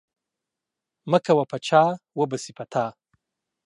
مه کوه په چا وبه سي په تا.